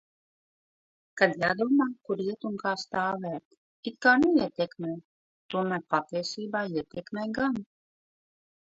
Kad jādomā, kur iet un kā stāvēt... "It kā neietekmē", tomēr patiesībā ietekmē gan.